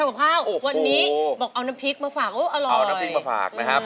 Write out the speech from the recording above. กับข้าววันนี้บอกเอาน้ำพริกมาฝากอร่อยเอาน้ำพริกมาฝากนะครับ